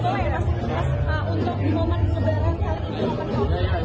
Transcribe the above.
nah untuk di momen sebarang kali di momen momen yang kita tahu sekarang ini